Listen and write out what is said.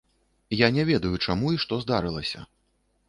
Я не ведаю, чаму і што здарылася.